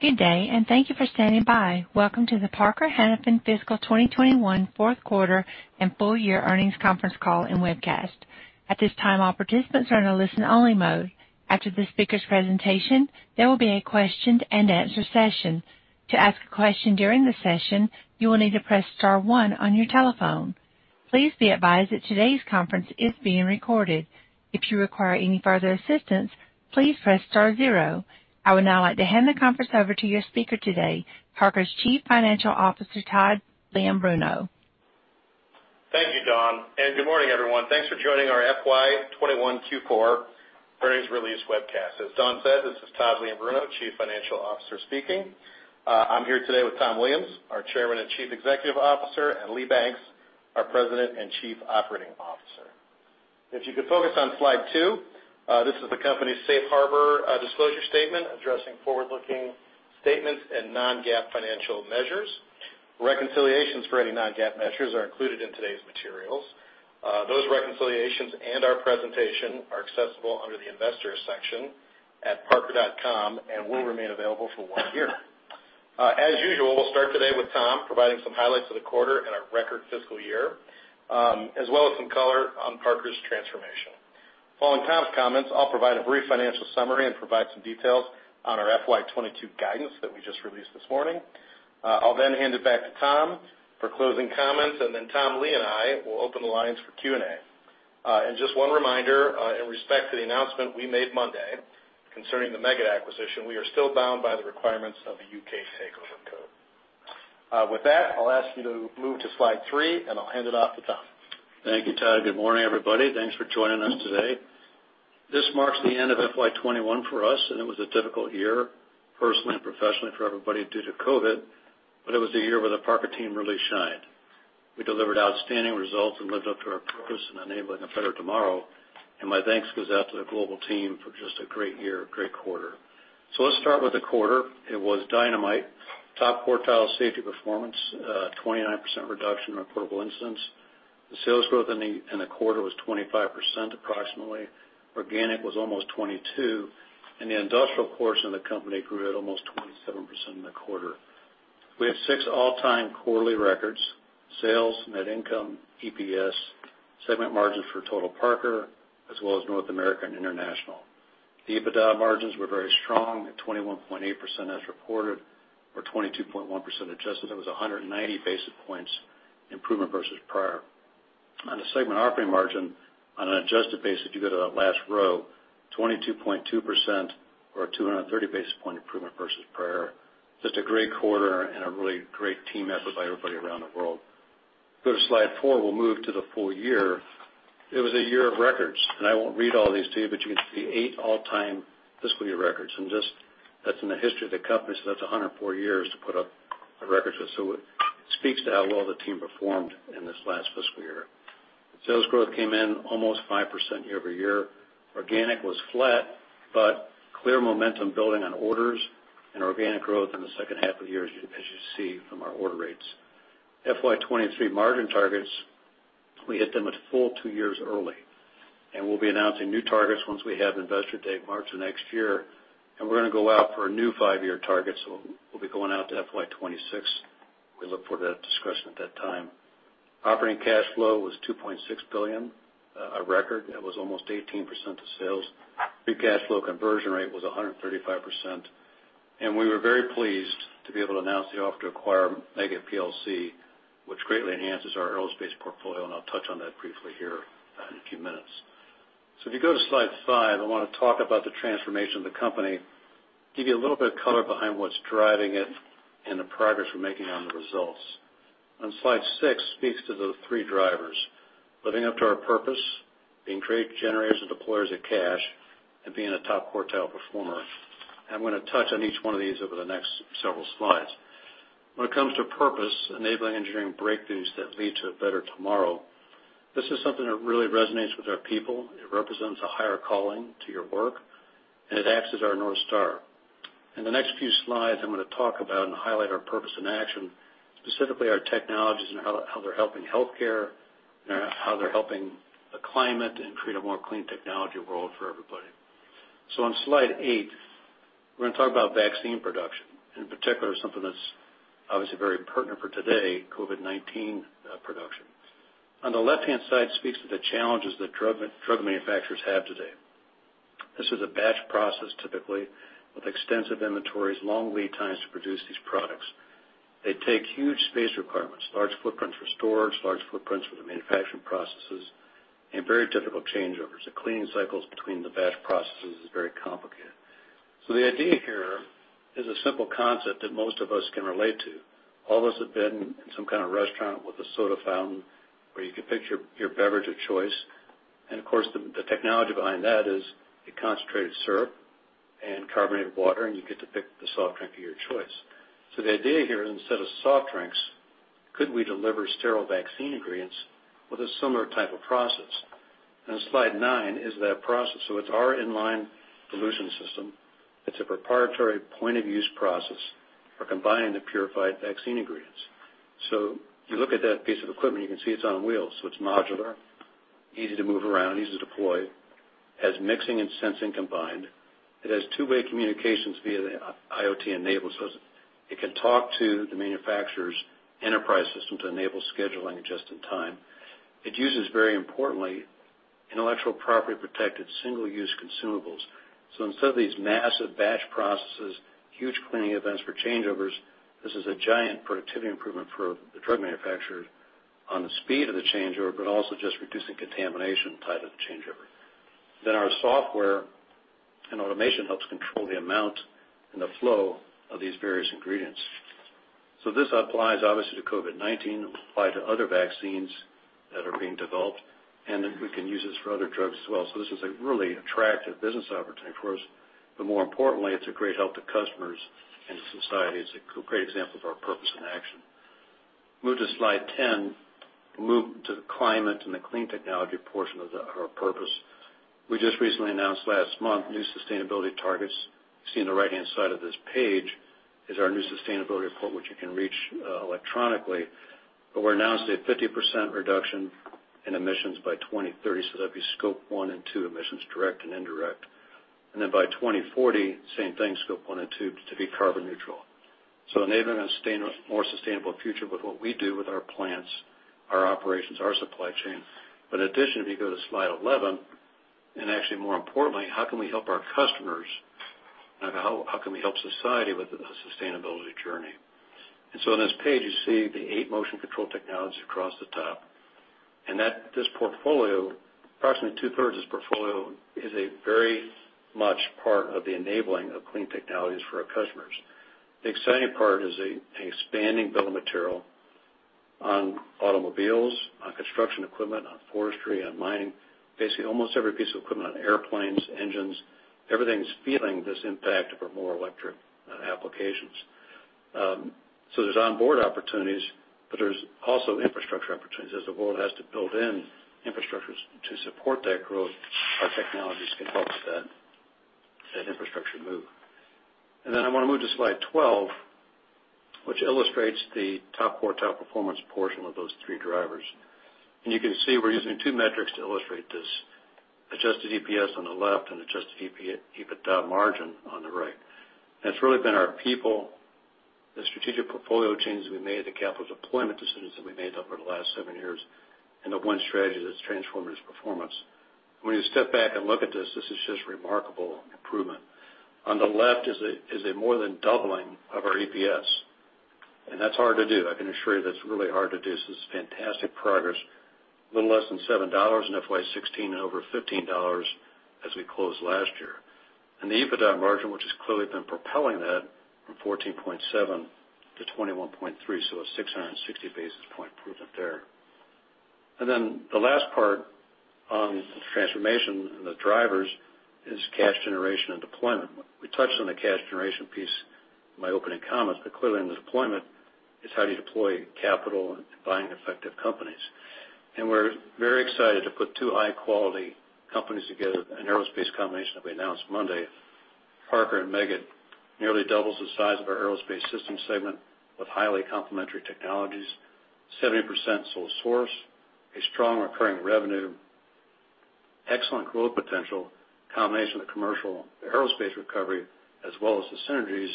Good day, and thank you for standing by. Welcome to the Parker Hannifin Fiscal 2021 fourth quarter and full year earnings conference call and webcast. At this time, all participants are in a listen-only mode. After the speakers' presentation, there will be a question-and-answer session. To ask a question during the session, you will need to press star one on your telephone. Please be advised that today's conference is being recorded. If you require any further assistance, please press star zero. I would now like to hand the conference over to your speaker today, Parker's Chief Financial Officer, Todd M. Leombruno. Thank you, Dawn. Good morning, everyone. Thanks for joining our FY 2021 Q4 earnings release webcast. As Dawn said, this is Todd M. Leombruno, Chief Financial Officer speaking. I am here today with Thomas L. Williams, our Chairman and Chief Executive Officer, and Lee C. Banks, our President and Chief Operating Officer. If you could focus on slide two, this is the company's safe harbor disclosure statement addressing forward-looking statements and non-GAAP financial measures. Reconciliations for any non-GAAP measures are included in today's materials. Those reconciliations and our presentation are accessible under the Investors section at parker.com and will remain available for one year. As usual, we will start today with Thomas L. Williams providing some highlights of the quarter and our record fiscal year, as well as some color on Parker-Hannifin's transformation. Following Thomas L. Williams' comments, I will provide a brief financial summary and provide some details on our FY 2022 guidance that we just released this morning. I'll then hand it back to Tom for closing comments, and then Tom, Lee, and I will open the lines for Q&A. Just one reminder, in respect to the announcement we made Monday concerning the Meggitt acquisition, we are still bound by the requirements of the U.K. takeover code. With that, I'll ask you to move to slide 3, and I'll hand it off to Tom. Thank you, Todd. Good morning, everybody. Thanks for joining us today. This marks the end of FY 2021 for us, and it was a difficult year personally and professionally for everybody due to COVID-19, but it was a year where the Parker team really shined. We delivered outstanding results and lived up to our purpose in enabling a better tomorrow, and my thanks goes out to the global team for just a great year, great quarter. Let's start with the quarter. It was dynamite. Top quartile safety performance, 29% reduction in reportable incidents. The sales growth in the quarter was 25%, approximately. Organic was almost 22%, and the industrial portion of the company grew at almost 27% in the quarter. We have six all-time quarterly records, sales, net income, EPS, segment margins for total Parker, as well as North America and International. The EBITDA margins were very strong at 21.8% as reported, or 22.1% adjusted. That was 190 basis points improvement versus prior. On the segment operating margin on an adjusted basis, if you go to that last row, 22.2% or 230 basis point improvement versus prior. Just a great quarter and a really great team effort by everybody around the world. Go to slide four, we'll move to the full year. It was a year of records. I won't read all these to you, but you can see eight all-time fiscal year records. That's in the history of the company, that's 104 years to put up records with. It speaks to how well the team performed in this last fiscal year. Sales growth came in almost 5% year-over-year. Organic was flat, clear momentum building on orders and organic growth in the second half of the year, as you see from our order rates. FY 2023 margin targets, we hit them a full two years early, we'll be announcing new targets once we have Investor Day March of next year. We're going to go out for a new five-year target, we'll be going out to FY 2026. We look for that discussion at that time. Operating cash flow was $2.6 billion, a record. That was almost 18% of sales. Free cash flow conversion rate was 135%, we were very pleased to be able to announce the offer to acquire Meggitt PLC, which greatly enhances our aerospace portfolio, I'll touch on that briefly here in a few minutes. If you go to slide five, I want to talk about the transformation of the company, give you a little bit of color behind what's driving it and the progress we're making on the results. On slide six speaks to the three drivers, living up to our purpose, being great generators and deployers of cash, and being a top quartile performer. I'm going to touch on each one of these over the next several slides. When it comes to purpose, enabling engineering breakthroughs that lead to a better tomorrow, this is something that really resonates with our people. It represents a higher calling to your work, and it acts as our North Star. In the next few slides, I'm going to talk about and highlight our purpose in action, specifically our technologies and how they're helping healthcare, and how they're helping the climate and create a more clean technology world for everybody. On slide eight, we're going to talk about vaccine production, in particular, something that's obviously very pertinent for today, COVID-19 production. On the left-hand side speaks to the challenges that drug manufacturers have today. This is a batch process, typically, with extensive inventories, long lead times to produce these products. They take huge space requirements, large footprints for storage, large footprints for the manufacturing processes, and very difficult changeovers. The cleaning cycles between the batch processes is very complicated. The idea here is a simple concept that most of us can relate to. All of us have been in some kind of restaurant with a soda fountain where you can pick your beverage of choice. Of course, the technology behind that is a concentrated syrup and carbonated water, and you get to pick the soft drink of your choice. The idea here is instead of soft drinks, could we deliver sterile vaccine ingredients with a similar type of process? Slide nine is that process. It's our in-line dilution system. It's a proprietary point-of-use process for combining the purified vaccine ingredients. You look at that piece of equipment, you can see it's on wheels, so it's modular, easy to move around, easy to deploy, has mixing and sensing combined. It has two-way communications via the IoT enabled system. It can talk to the manufacturer's enterprise system to enable scheduling just in time. It uses, very importantly, intellectual property protected single-use consumables. Instead of these massive batch processes, huge cleaning events for changeovers, this is a giant productivity improvement for the drug manufacturer on the speed of the changeover, but also just reducing contamination tied to the changeover. Our software and automation helps control the amount and the flow of these various ingredients. This applies obviously to COVID-19, it will apply to other vaccines that are being developed, and then we can use this for other drugs as well. This is a really attractive business opportunity for us, but more importantly, it's a great help to customers and to society. It's a great example of our purpose in action. Move to slide 10. Move to the climate and the clean technology portion of our purpose. We just recently announced last month, new sustainability targets. You see on the right-hand side of this page is our new sustainability report, which you can reach electronically. We announced a 50% reduction in emissions by 2030, so that'd be Scope 1 and 2 emissions, direct and indirect. By 2040, same thing, Scope 1 and 2 to be carbon neutral. Enabling a more sustainable future with what we do with our plants, our operations, our supply chain. In addition, if you go to slide 11, and actually more importantly, how can we help our customers? How can we help society with the sustainability journey? On this page, you see the eight motion control technologies across the top, and this portfolio, approximately two-thirds of this portfolio is a very much part of the enabling of clean technologies for our customers. The exciting part is the expanding bill of material on automobiles, on construction equipment, on forestry, on mining. Basically, almost every piece of equipment, on airplanes, engines, everything's feeling this impact for more electric applications. There's onboard opportunities, but there's also infrastructure opportunities. As the world has to build in infrastructures to support that growth, our technologies can help that infrastructure move. Then I want to move to slide 12, which illustrates the top quartile performance portion of those three drivers. You can see we're using two metrics to illustrate this. Adjusted EPS on the left and adjusted EBITDA margin on the right. It's really been our people, the strategic portfolio changes we made, the capital deployment decisions that we made over the last seven years into One Strategy that's transformed this performance. When you step back and look at this is just remarkable improvement. On the left is a more than doubling of our EPS, that's hard to do. I can assure you that's really hard to do, this is fantastic progress. A little less than $7 in FY 2016 and over $15 as we closed last year. The EBITDA margin, which has clearly been propelling that from 14.7 to 21.3, a 660 basis point improvement there. The last part on the transformation and the drivers is cash generation and deployment. We touched on the cash generation piece in my opening comments, clearly in the deployment is how do you deploy capital and buying effective companies. We're very excited to put two high-quality companies together, an aerospace combination that we announced Monday. Parker and Meggitt nearly doubles the size of our Aerospace Systems segment with highly complementary technologies, 70% sole source, a strong recurring revenue, excellent growth potential, combination of the commercial aerospace recovery, as well as the synergies,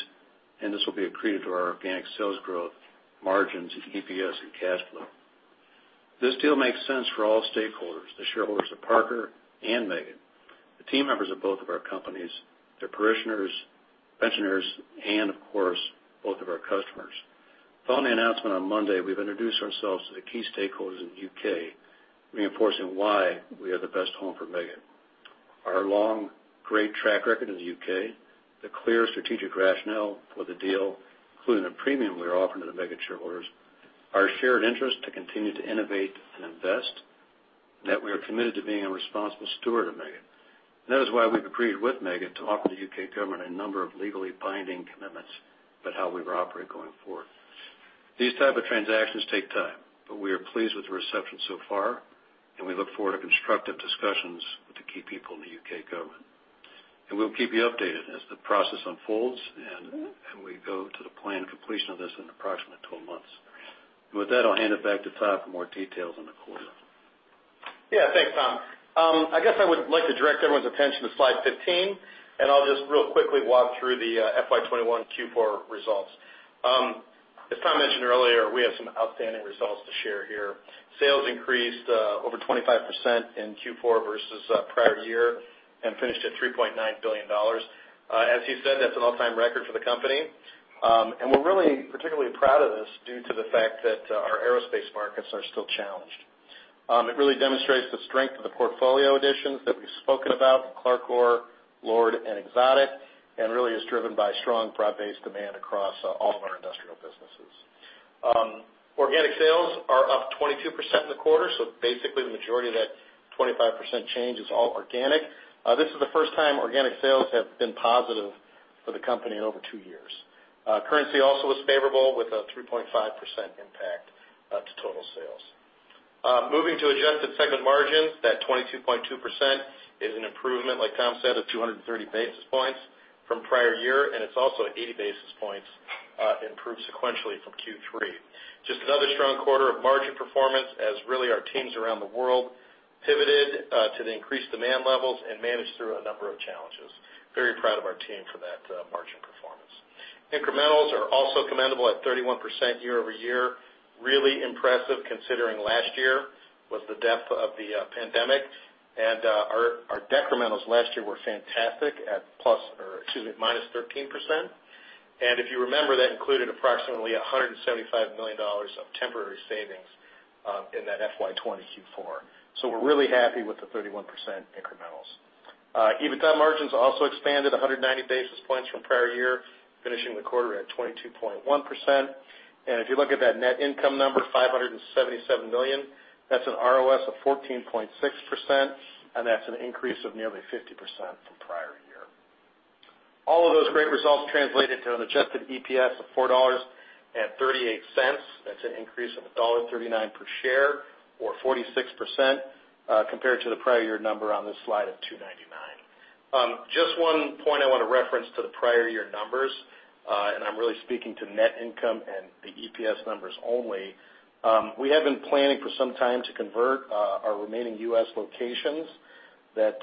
and this will be accretive to our organic sales growth, margins, EPS, and cash flow. This deal makes sense for all stakeholders, the shareholders of Parker and Meggitt, the team members of both of our companies, their pensioners, and of course, both of our customers. Following the announcement on Monday, we've introduced ourselves to the key stakeholders in the U.K., reinforcing why we are the best home for Meggitt. Our long, great track record in the U.K., the clear strategic rationale for the deal, including the premium we are offering to the Meggitt shareholders, our shared interest to continue to innovate and invest, and that we are committed to being a responsible steward of Meggitt. That is why we've agreed with Meggitt to offer the U.K. government a number of legally binding commitments about how we will operate going forward. These type of transactions take time, but we are pleased with the reception so far, and we look forward to constructive discussions with the key people in the U.K. government. We'll keep you updated as the process unfolds, and we go to the planned completion of this in approximately 12 months. With that, I'll hand it back to Todd for more details on the quarter. Yeah, thanks, Tom. I guess I would like to direct everyone's attention to slide 15, and I'll just real quickly walk through the FY 2021 Q4 results. As Tom mentioned earlier, we have some outstanding results to share here. Sales increased over 25% in Q4 versus prior year and finished at $3.9 billion. As he said, that's an all-time record for the company. We're really particularly proud of this due to the fact that our aerospace markets are still challenged. It really demonstrates the strength of the portfolio additions that we've spoken about with CLARCOR, LORD, and Exotic, and really is driven by strong broad-based demand across all of our industrial businesses. Organic sales are up 22% in the quarter, so basically the majority of that 25% change is all organic. This is the first time organic sales have been positive for the company in over two years. Currency also was favorable with a 3.5% impact to total sales. Moving to adjusted segment margins, that 22.2% is an improvement, like Tom said, of 230 basis points from prior year, and it's also 80 basis points improved sequentially from Q3. Just another strong quarter of margin performance as really our teams around the world pivoted to the increased demand levels and managed through a number of challenges. Very proud of our team for that margin performance. Incrementals are also commendable at 31% year-over-year, really impressive considering last year was the depth of the pandemic, and our decrementals last year were fantastic at -13%. If you remember, that included approximately $175 million of temporary savings in that FY 2020 Q4. We're really happy with the 31% incrementals. EBITDA margins also expanded 190 basis points from prior year, finishing the quarter at 22.1%. If you look at that net income number, $577 million, that's an ROS of 14.6%, and that's an increase of nearly 50% from prior year. All of those great results translated to an adjusted EPS of $4.38. That's an increase of $1.39 per share or 46% compared to the prior year number on this slide of $2.99. Just one point I want to reference to the prior year numbers, and I'm really speaking to net income and the EPS numbers only. We have been planning for some time to convert our remaining U.S. locations that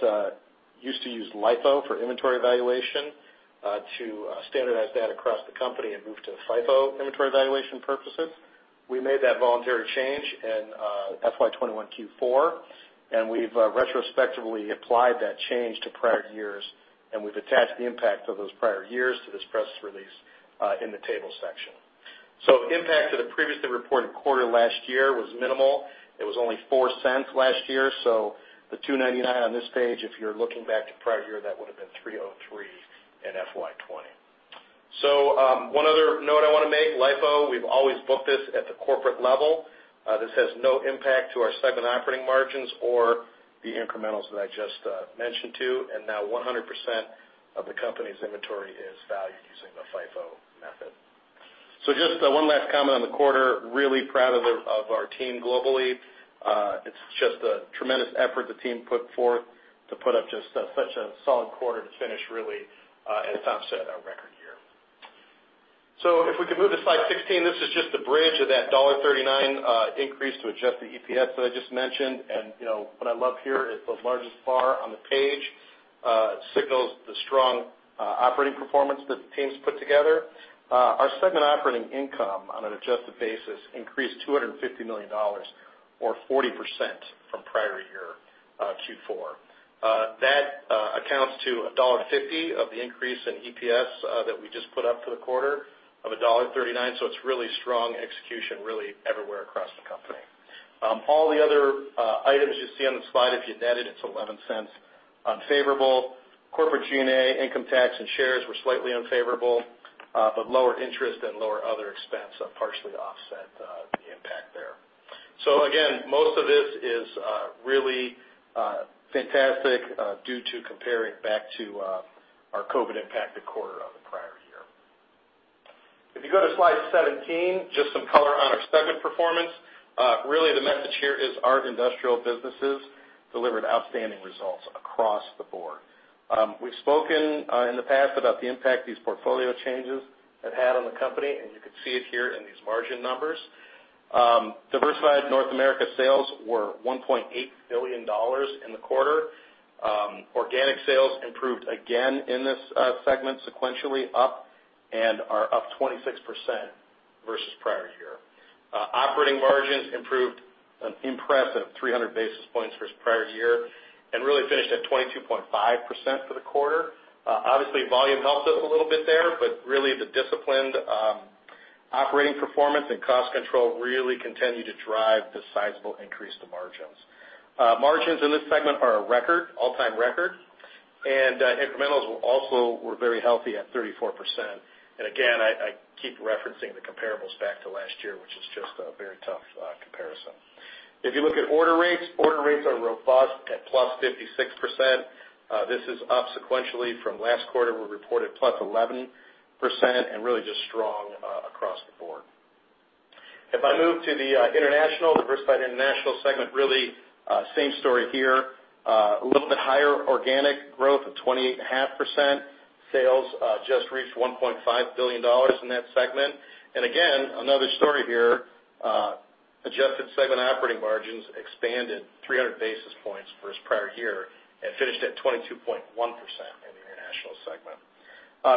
used to use LIFO for inventory valuation to standardize that across the company and move to FIFO inventory valuation purposes. We made that voluntary change in FY 2021 Q4, and we've retrospectively applied that change to prior years, and we've attached the impact of those prior years to this press release in the table section. The impact to the previously reported quarter last year was minimal. It was only $0.04 last year. The $2.99 on this page, if you're looking back to prior year, that would've been $3.03 in FY 2020. One other note I want to make, LIFO, we've always booked this at the corporate level. This has no impact to our segment operating margins or the incrementals that I just mentioned to, and now 100% of the company's inventory is valued using the FIFO method. Just one last comment on the quarter, really proud of our team globally. It's just a tremendous effort the team put forth to put up just such a solid quarter to finish really, and it's offset our record year. If we could move to slide 16, this is just a bridge of that $1.39 increase to adjusted EPS that I just mentioned. What I love here is the largest bar on the page signals the strong operating performance that the teams put together. Our segment operating income on an adjusted basis increased $250 million or 40% from prior year Q4. That accounts to $1.50 of the increase in EPS that we just put up for the quarter of $1.39. It's really strong execution really everywhere across the company. All the other items you see on the slide, if you net it's $0.11 unfavorable. Corporate G&A income tax and shares were slightly unfavorable, but lower interest and lower other expense partially offset the impact there. Again, most of this is really fantastic due to comparing back to our COVID-impacted quarter of the prior year. If you go to slide 17, just some color on our segment performance. Really the message here is our industrial businesses delivered outstanding results across the board. We've spoken in the past about the impact these portfolio changes have had on the company, and you can see it here in these margin numbers. Diversified Industrial North America sales were $1.8 billion in the quarter. Organic sales improved again in this segment sequentially up and are up 26% versus prior year. Operating margins improved an impressive 300 basis points versus prior year and really finished at 22.5% for the quarter. Obviously, volume helped us a little bit there, but really the disciplined operating performance and cost control really continued to drive the sizable increase to margins. Margins in this segment are a record, all-time record, and incrementals also were very healthy at 34%. Again, I keep referencing the comparables back to last year, which is just a very tough comparison. If you look at order rates, order rates are robust at +56%. This is up sequentially from last quarter we reported +11% and really just strong across the board. If I move to the international, Diversified International segment, really same story here. A little bit higher organic growth of 28.5%. Sales just reached $1.5 billion in that segment. Again, another story here, adjusted segment operating margins expanded 300 basis points versus prior year and finished at 22.1% in the international segment.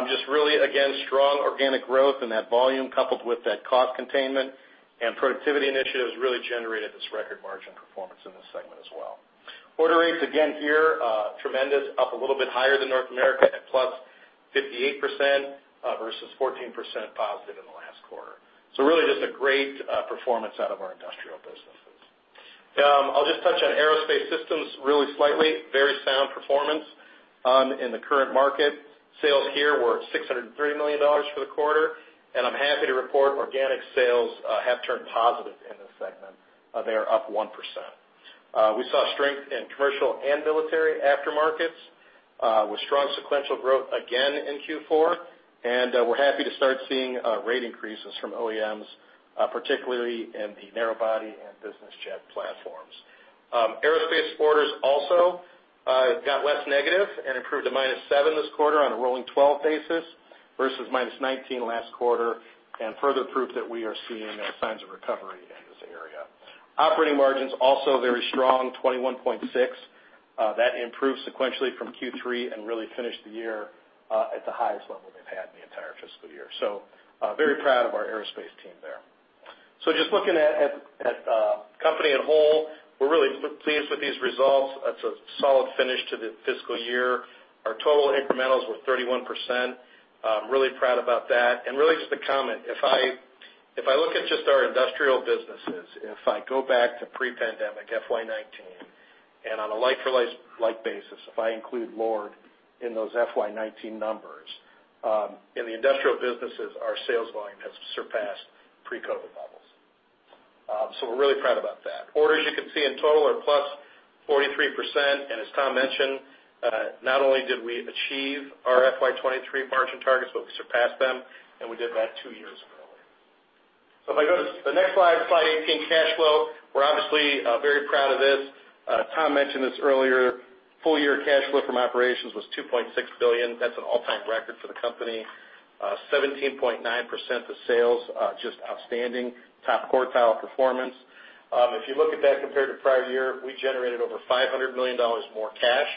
Just really, again, strong organic growth in that volume coupled with that cost containment and productivity initiatives really generated this record margin performance in this segment as well. Order rates, again here, tremendous, up a little bit higher than North America at +58%, versus 14% positive in the last quarter. Really just a great performance out of our industrial businesses. I'll just touch on Aerospace Systems really slightly. Very sound performance in the current market. Sales here were $603 million for the quarter, and I'm happy to report organic sales have turned positive in this segment. They are up 1%. We saw strength in commercial and military aftermarkets, with strong sequential growth again in Q4. We're happy to start seeing rate increases from OEMs, particularly in the narrow body and business jet platforms. Aerospace orders also got less negative and improved to -7 this quarter on a rolling 12 basis versus -19 last quarter, and further proof that we are seeing signs of recovery in this area. Operating margins also very strong, 21.6. That improved sequentially from Q3 and really finished the year at the highest level they've had in the entire fiscal year. Very proud of our aerospace team there. Just looking at the company on whole, we're really pleased with these results. It's a solid finish to the fiscal year. Our total incrementals were 31%. Really proud about that. And really just a comment, if I look at just our industrial businesses, if I go back to pre-pandemic FY 2019, and on a like-for-like basis, if I include LORD in those FY 2019 numbers, in the industrial businesses, our sales volume has surpassed pre-COVID levels. We're really proud about that. Orders you can see in total are +43%, and as Tom mentioned, not only did we achieve our FY 2023 margin targets, but we surpassed them, and we did that two years early. If I go to the next slide 18, cash flow. We're obviously very proud of this. Tom mentioned this earlier. Full year cash flow from operations was $2.6 billion. That's an all-time record for the company. 17.9% of sales, just outstanding. Top quartile performance. If you look at that compared to prior year, we generated over $500 million more cash.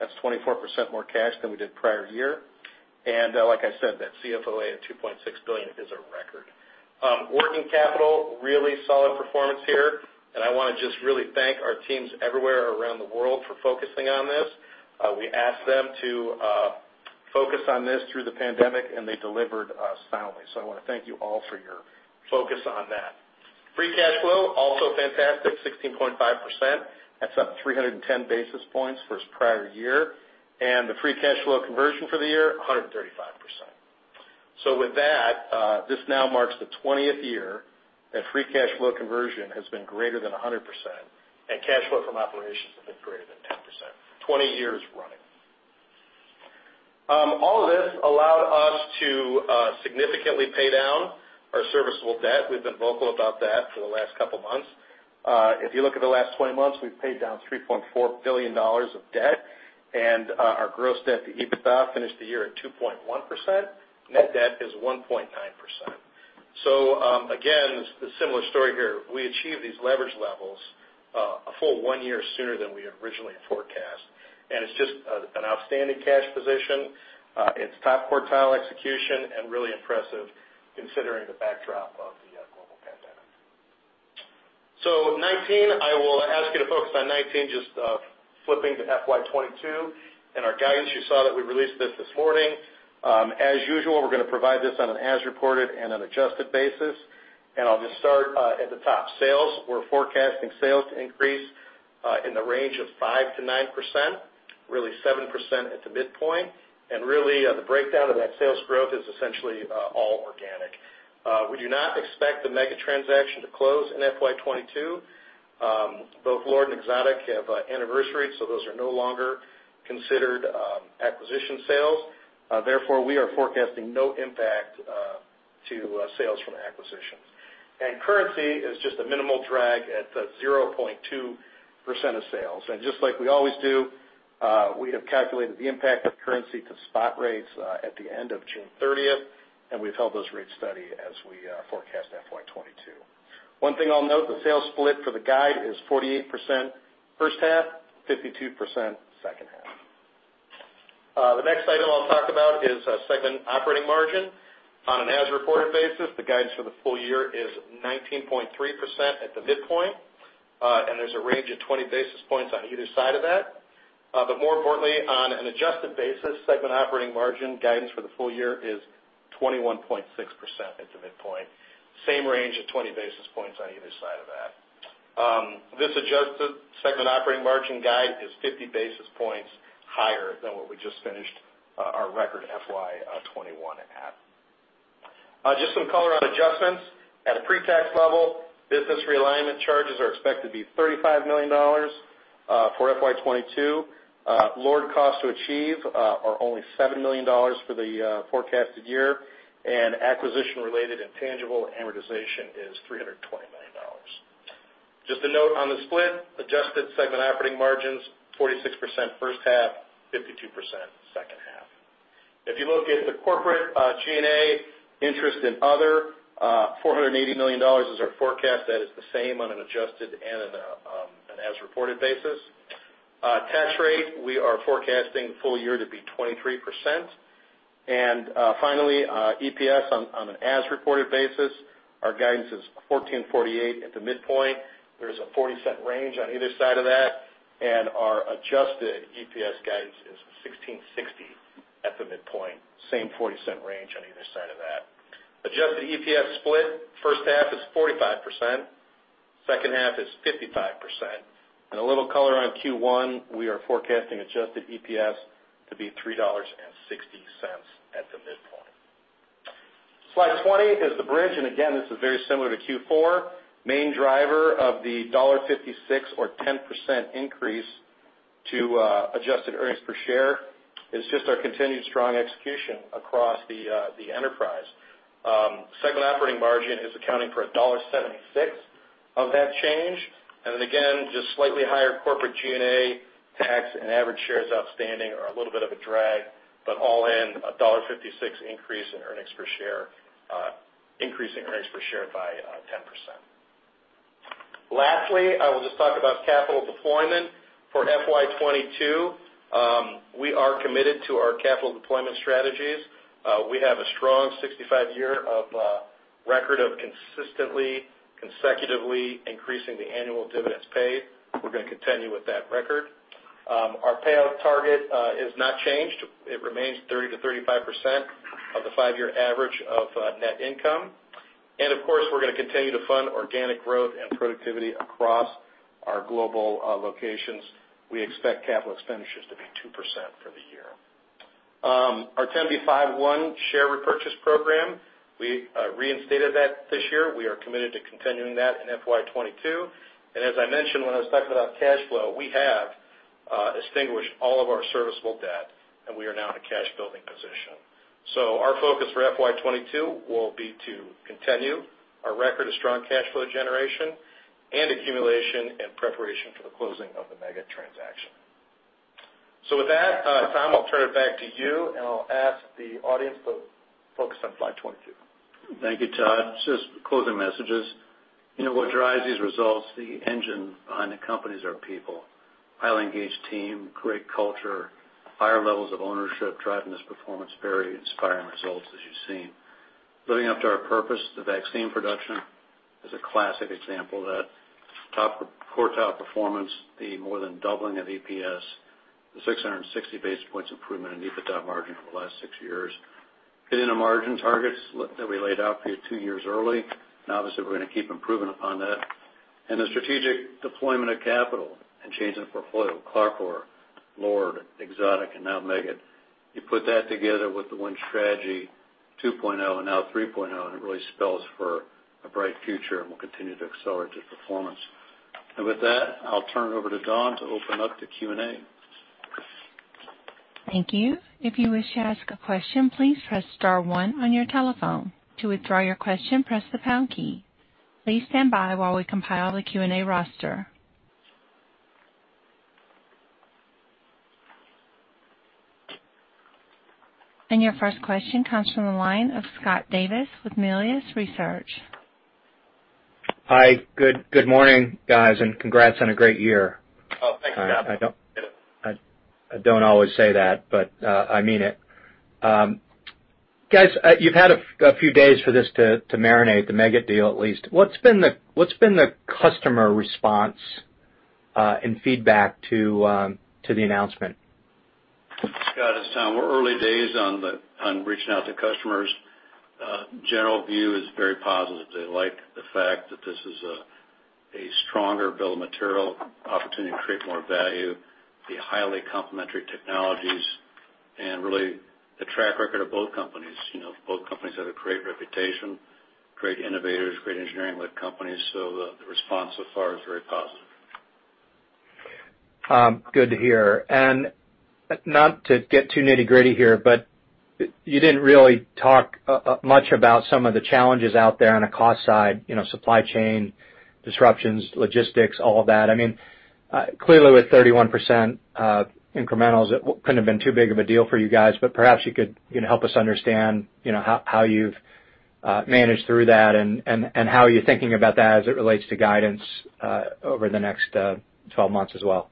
That's 24% more cash than we did prior year. Like I said, that CFOA of $2.6 billion is a record. Working capital, really solid performance here, and I want to just really thank our teams everywhere around the world for focusing on this. We asked them to focus on this through the pandemic, and they delivered soundly. I want to thank you all for your focus on that. Free cash flow, also fantastic, 16.5%. That's up 310 basis points versus prior year. The free cash flow conversion for the year, 135%. With that, this now marks the 20th year that free cash flow conversion has been greater than 100%, and cash flow from operations has been greater than 10%, 20 years running. All of this allowed us to significantly pay down our serviceable debt. We've been vocal about that for the last couple of months. If you look at the last 20 months, we've paid down $3.4 billion of debt, and our gross debt to EBITDA finished the year at 2.1%. Net debt is 1.9%. Again, it's a similar story here. We achieved these leverage levels a full one year sooner than we had originally forecast. It's just an outstanding cash position. It's top quartile execution and really impressive considering the backdrop of the global pandemic. 19, I will ask you to focus on 19, just flipping to FY 2022 and our guidance. You saw that we released this this morning. As usual, we're going to provide this on an as-reported and an adjusted basis. I'll just start at the top. Sales, we're forecasting sales to increase in the range of 5%-9%, really 7% at the midpoint. Really, the breakdown of that sales growth is essentially all organic. We do not expect the Meggitt transaction to close in FY22. Both LORD and Exotic have anniversaries, those are no longer considered acquisition sales. Therefore, we are forecasting no impact to sales from acquisitions. Currency is just a minimal drag at the 0.2% of sales. Just like we always do, we have calculated the impact of currency to spot rates at the end of June 30th, and we've held those rates steady as we forecast FY22. One thing I'll note, the sales split for the guide is 48% first half, 52% second half. The next item I'll talk about is segment operating margin. On an as-reported basis, the guidance for the full year is 19.3% at the midpoint. There's a range of 20 basis points on either side of that. More importantly, on an adjusted basis, segment operating margin guidance for the full year is 21.6% at the midpoint. Same range of 20 basis points on either side of that. This adjusted segment operating margin guide is 50 basis points higher than what we just finished our record FY 2021 at. Just some color on adjustments. At a pre-tax level, business realignment charges are expected to be $35 million for FY 2022. LORD costs to achieve are only $7 million for the forecasted year. Acquisition-related intangible amortization is $320 million. Just a note on the split, adjusted segment operating margins, 46% first half, 52% second half. If you look at the corporate G&A interest in other, $480 million is our forecast. That is the same on an adjusted and an as-reported basis. Tax rate, we are forecasting full year to be 23%. Finally, EPS on an as-reported basis, our guidance is $14.48 at the midpoint. There's a $0.40 range on either side of that, and our adjusted EPS guidance is $16.60 at the midpoint, same $0.40 range on either side of that. Adjusted EPS split, first half is 45%, second half is 55%. A little color on Q1, we are forecasting adjusted EPS to be $3.60 at the midpoint. Slide 20 is the bridge, and again, this is very similar to Q4. Main driver of the $1.56 or 10% increase to adjusted earnings per share is just our continued strong execution across the enterprise. Segment operating margin is accounting for $1.76 of that change. Just slightly higher corporate G&A, tax, and average shares outstanding are a little bit of a drag, but all in $1.56 increase in earnings per share, increasing earnings per share by 10%. Lastly, I will just talk about capital deployment for FY22. We are committed to our capital deployment strategies. We have a strong 65 year of record of consistently, consecutively increasing the annual dividends paid. We're going to continue with that record. Our payout target is not changed. It remains 30%-35% of the five-year average of net income. We're going to continue to fund organic growth and productivity across our global locations. We expect capital expenditures to be 2% for the year. Our 10b5-1 share repurchase program, we reinstated that this year. We are committed to continuing that in FY22. As I mentioned when I was talking about cash flow, we have extinguished all of our serviceable debt, and we are now in a cash building position. Our focus for FY22 will be to continue our record of strong cash flow generation and accumulation in preparation for the closing of the Meggitt transaction. With that, Tom, I'll turn it back to you, and I'll ask the audience to focus on slide 22. Thank you, Todd. Just closing messages. What drives these results, the engine behind the companies are people. Highly engaged team, great culture, higher levels of ownership driving this performance, very inspiring results as you've seen. Living up to our purpose, the vaccine production is a classic example of that. Core top performance, the more than doubling of EPS, the 660 basis points improvement in EBITDA margin over the last six years. Hitting the margin targets that we laid out for you two years early. Obviously, we're going to keep improving upon that. The strategic deployment of capital and changing the portfolio, CLARCOR, LORD, Exotic, and now Meggitt. You put that together with The Win Strategy 2.0 and now 3.0. It really spells for a bright future. We'll continue to accelerate the performance. With that, I'll turn it over to Don to open up the Q&A. Thank you. If you wish to ask a question, please press star one on your telephone. To withdraw your question, press the pound key. Please stand by while we compile the Q&A roster. Your first question comes from the line of Scott Davis with Melius Research. Hi. Good morning, guys, and congrats on a great year. Oh, thanks, Scott. I don't always say that, but I mean it. Guys, you've had a few days for this to marinate, the Meggitt deal at least. What's been the customer response and feedback to the announcement? Scott, it's Tom. We're early days on reaching out to customers. General view is very positive. They like the fact that this is a stronger bill of material opportunity to create more value, the highly complementary technologies, and really the track record of both companies. Both companies have a great reputation, great innovators, great engineering-led companies. The response so far is very positive. Good to hear. Not to get too nitty-gritty here, but you didn't really talk much about some of the challenges out there on the cost side, supply chain disruptions, logistics, all of that. Clearly with 31% incrementals, it couldn't have been too big of a deal for you guys, but perhaps you could help us understand how you've managed through that and how you're thinking about that as it relates to guidance over the next 12 months as well.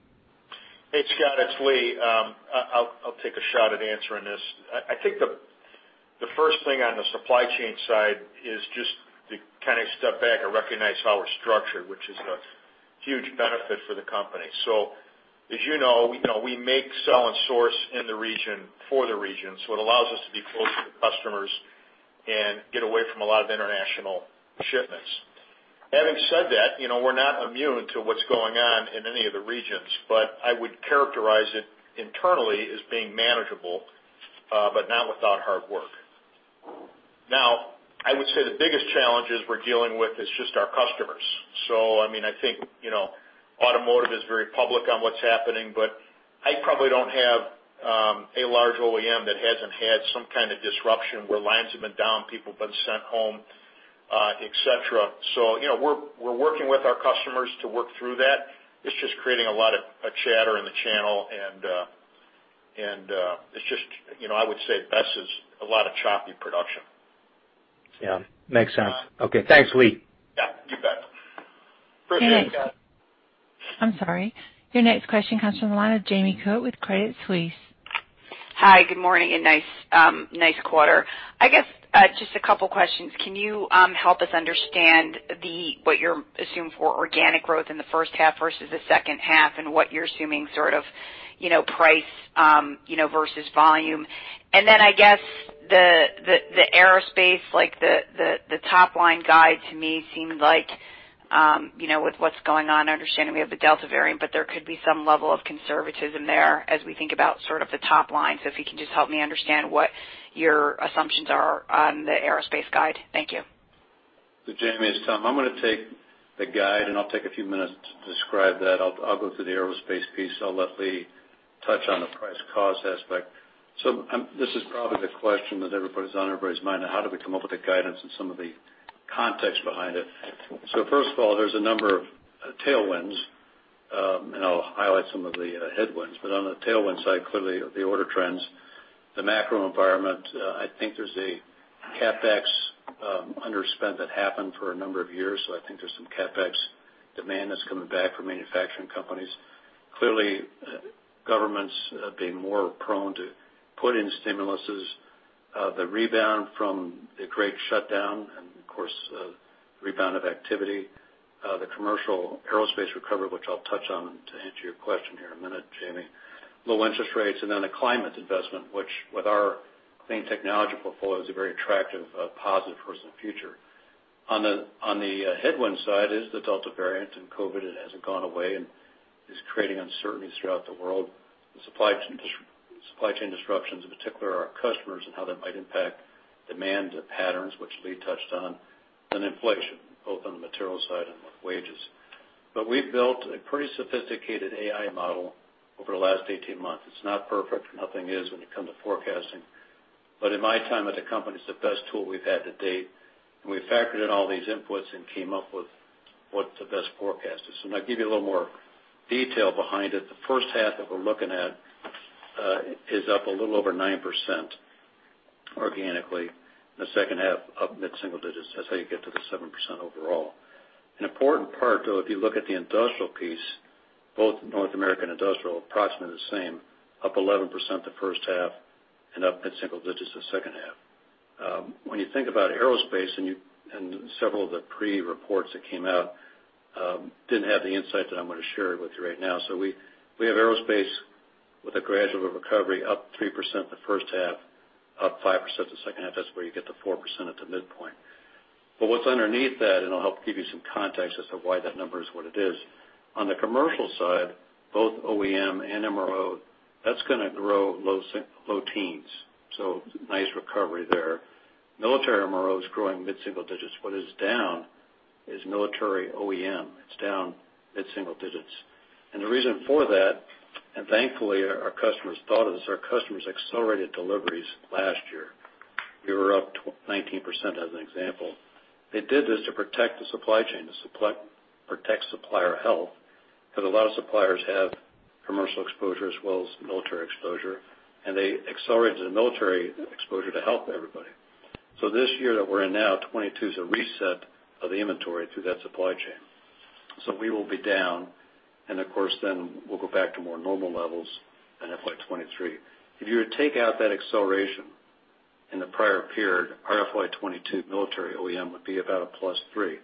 Hey, Scott, it's Lee. I'll take a shot at answering this. I think the first thing on the supply chain side is just to kind of step back and recognize how we're structured, which is a huge benefit for the company. As you know, we make, sell, and source in the region for the region. It allows us to be close to the customers and get away from a lot of international shipments. Having said that, we're not immune to what's going on in any of the regions, but I would characterize it internally as being manageable, but not without hard work. Now, I would say the biggest challenges we're dealing with is just our customers. I think automotive is very public on what's happening, but I probably don't have a large OEM that hasn't had some kind of disruption where lines have been down, people have been sent home, et cetera. We're working with our customers to work through that. It's just creating a lot of chatter in the channel, and I would say best is a lot of choppy production. Yeah. Makes sense. Okay. Thanks, Lee. Yeah. You bet. I'm sorry. Your next question comes from the line of Jamie Cook with Credit Suisse. Hi, good morning, and nice quarter. I guess, just a couple questions. Can you help us understand what you assume for organic growth in the first half versus the second half, and what you're assuming sort of price versus volume? I guess the Aerospace, like the top line guide to me seemed like with what's going on, understanding we have the Delta variant, but there could be some level of conservatism there as we think about sort of the top line. If you can just help me understand what your assumptions are on the Aerospace guide? Thank you. Jamie Cook, it's Tom. I'm going to take the guide, and I'll take a few minutes to describe that. I'll go through the Aerospace piece, so I'll let Lee C. Banks touch on the price-cost aspect. This is probably the question that is on everybody's mind. How do we come up with the guidance and some of the context behind it? First of all, there's a number of tailwinds, and I'll highlight some of the headwinds. On the tailwind side, clearly the order trends, the macro environment, I think there's a CapEx underspend that happened for a number of years, so I think there's some CapEx demand that's coming back from manufacturing companies. Clearly, governments being more prone to put in stimuli. The rebound from the Great Shutdown and, of course, the rebound of activity. The commercial aerospace recovery, which I'll touch on to answer your question here in a minute, Jamie. Low interest rates, the climate investment, which with our clean technology portfolio, is a very attractive positive for us in the future. On the headwind side is the Delta variant and COVID-19. It hasn't gone away and is creating uncertainties throughout the world. The supply chain disruptions, in particular our customers and how that might impact demand patterns, which Lee touched on, and inflation, both on the material side and with wages. We've built a pretty sophisticated AI model over the last 18 months. It's not perfect. Nothing is when you come to forecasting. In my time at the company, it's the best tool we've had to date, and we factored in all these inputs and came up with what the best forecast is. I'll give you a little more detail behind it. The first half that we're looking at is up a little over 9% organically, and the second half up mid-single digits. That's how you get to the 7% overall. An important part, though, if you look at the industrial piece, both North American industrial, approximately the same, up 11% the first half and up mid-single digits the second half. When you think about Aerospace, and several of the pre-reports that came out didn't have the insight that I'm going to share with you right now. We have Aerospace with a gradual recovery up 3% the first half, up 5% the second half. That's where you get the 4% at the midpoint. What's underneath that, and I'll help give you some context as to why that number is what it is. On the commercial side, both OEM and MRO, that's going to grow low teens, nice recovery there. Military MRO is growing mid-single digits. What is down is military OEM. It's down mid-single digits. The reason for that, thankfully our customers thought of this, our customers accelerated deliveries last year. We were up 19% as an example. They did this to protect the supply chain, to protect supplier health, because a lot of suppliers have commercial exposure as well as military exposure, they accelerated the military exposure to help everybody. This year that we're in now, 2022, is a reset of the inventory through that supply chain. We will be down, of course, we'll go back to more normal levels in FY 2023. If you were to take out that acceleration in the prior period, our FY22 military OEM would be about a plus three.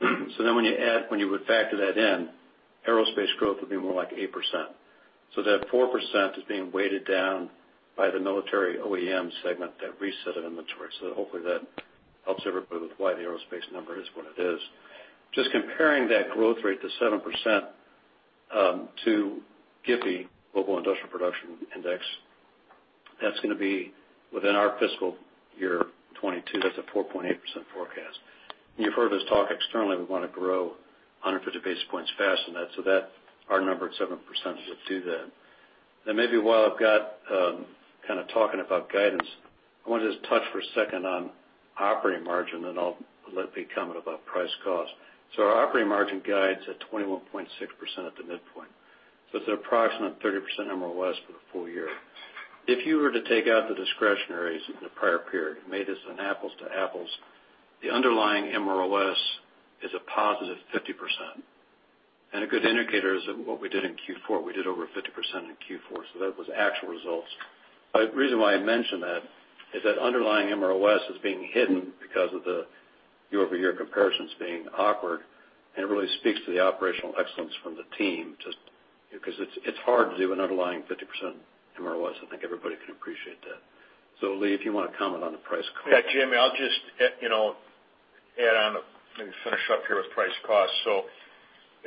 When you would factor that in, aerospace growth would be more like 8%. That 4% is being weighted down by the military OEM segment that reset inventory. Hopefully that helps everybody with why the aerospace number is what it is. Comparing that growth rate to 7% to GIPI, Global Industrial Production Index, that's going to be within our FY22. That's a 4.8% forecast. You've heard us talk externally, we want to grow 150 basis points faster than that, our number at 7% should do that. While I've got kind of talking about guidance, I want to just touch for a second on operating margin, and I'll let Lee comment about price cost. Our operating margin guide's at 21.6% at the midpoint. It's an approximate 30% MROS for the full year. If you were to take out the discretionaries in the prior period and made this an apples to apples, the underlying MROS is a positive 50%. A good indicator is that what we did in Q4, we did over 50% in Q4, that was actual results. The reason why I mention that is that underlying MROS is being hidden because of the year-over-year comparisons being awkward, and it really speaks to the operational excellence from the team, just because it's hard to do an underlying 50% MROS. I think everybody can appreciate that. Lee, if you want to comment on the price cost. Yeah, Jamie, I'll just add on and finish up here with price cost.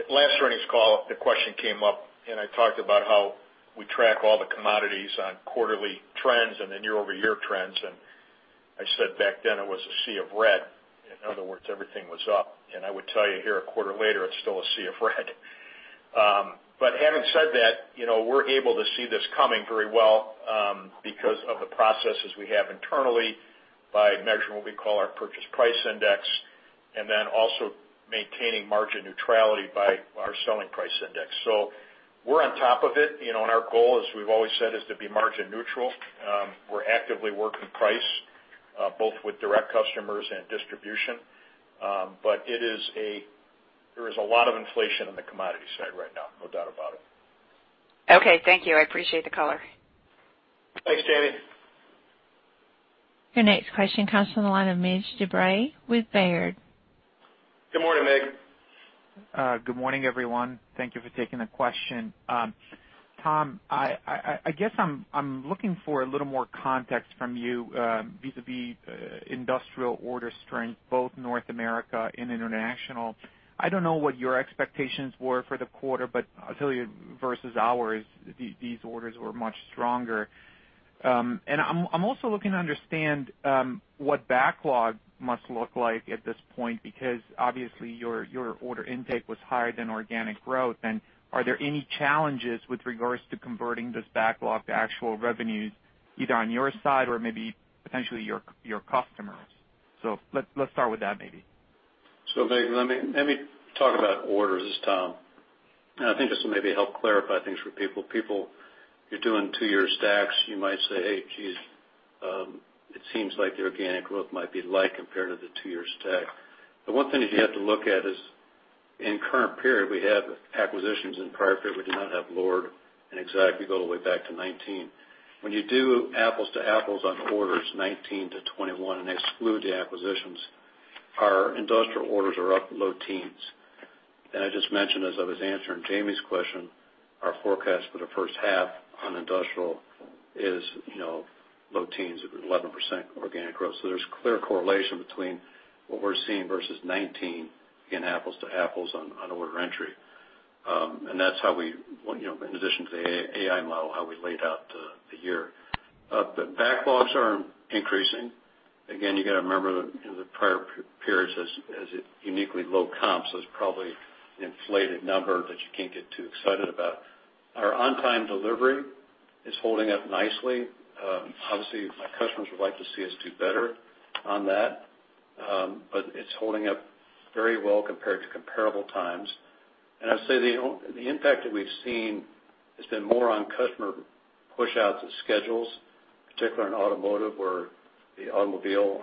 Last earnings call, the question came up, and I talked about how we track all the commodities on quarterly trends and then year-over-year trends, and I said back then it was a sea of red. In other words, everything was up. I would tell you here a quarter later, it's still a sea of red. Having said that, we're able to see this coming very well because of the processes we have internally by measuring what we call our purchase price index, and then also maintaining margin neutrality by our selling price index. We're on top of it, and our goal, as we've always said, is to be margin neutral. We're actively working price, both with direct customers and distribution. There is a lot of inflation on the commodity side right now, no doubt about it. Okay, thank you. I appreciate the color. Thanks, Jamie. Your next question comes from the line of Mircea Dobre with Baird. Good morning, Mig. Good morning, everyone. Thank you for taking the question. Tom, I guess I'm looking for a little more context from you vis-a-vis industrial order strength, both North America and international. I don't know what your expectations were for the quarter, but I'll tell you versus ours, these orders were much stronger. I'm also looking to understand what backlog must look like at this point, because obviously your order intake was higher than organic growth. Are there any challenges with regards to converting this backlog to actual revenues, either on your side or maybe potentially your customers? Let's start with that, maybe. Mig, let me talk about orders, Tom. I think just to maybe help clarify things for people. People, you're doing two-year stacks, you might say, "Hey, geez, it seems like the organic growth might be light compared to the two-year stack." The one thing that you have to look at is in current period, we have acquisitions. In the prior period, we did not have Lord and Exotic. We go all the way back to 2019. When you do apples to apples on orders 2019 to 2021 and exclude the acquisitions, our industrial orders are up low teens. I just mentioned as I was answering Jamie's question, our forecast for the first half on industrial is low teens, 11% organic growth. There's clear correlation between what we're seeing versus 2019 in apples to apples on order entry. That's how we, in addition to the AI model, how we laid out the year. The backlogs are increasing. Again, you got to remember the prior periods has uniquely low comps, so it's probably an inflated number that you can't get too excited about. Our on-time delivery is holding up nicely. Obviously, my customers would like to see us do better on that. It's holding up very well compared to comparable times. I'd say the impact that we've seen has been more on customer pushouts of schedules, particularly in automotive, where the automobile